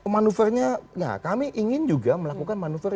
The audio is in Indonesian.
manuvernya nah kami ingin juga melakukan manuver